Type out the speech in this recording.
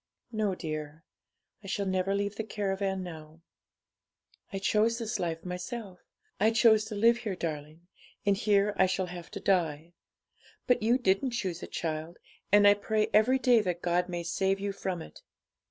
'No, dear; I shall never leave the caravan now. I chose this life myself; I chose to live here, darling; and here I shall have to die. But you didn't choose it, child; and I pray every day that God may save you from it.